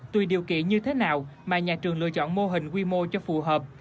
tùy điều kiện như thế nào mà nhà trường lựa chọn mô hình quy mô cho phù hợp